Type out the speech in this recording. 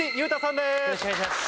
よろしくお願いします。